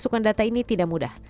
masukan data ini tidak mudah